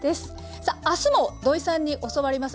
さあ明日も土井さんに教わります。